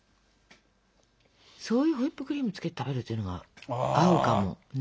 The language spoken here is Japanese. そういうホイップクリームつけて食べるっていうのが合うかもね。